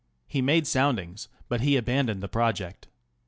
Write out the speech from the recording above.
He made soundings, but he abandoned the project.